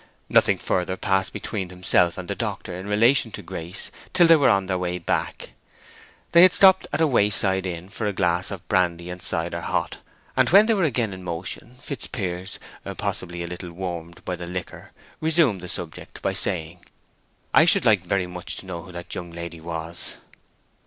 Nothing further passed between himself and the doctor in relation to Grace till they were on their way back. They had stopped at a way side inn for a glass of brandy and cider hot, and when they were again in motion, Fitzpiers, possibly a little warmed by the liquor, resumed the subject by saying, "I should like very much to know who that young lady was."